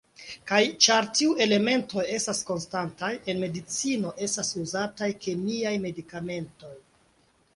Kaj, ĉar tiu elementoj estas konstantaj, en medicino estas uzataj kemiaj medikamentoj.